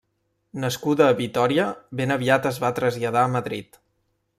Nascuda a Vitòria, ben aviat es va traslladar a Madrid.